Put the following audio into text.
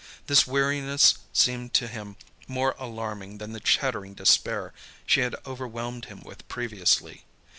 This weariness seemed to him more alarming than the chattering despair she had overwhelmed him with previously.